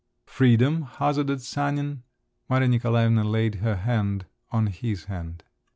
"Freedom," hazarded Sanin. Maria Nikolaevna laid her hand on his hand.